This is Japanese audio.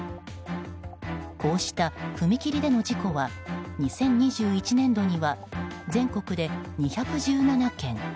こうした踏切での事故は２０２１年度には全国で２１７件。